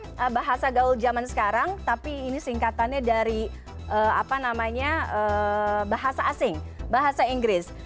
ini bahasa gaul zaman sekarang tapi ini singkatannya dari apa namanya bahasa asing bahasa inggris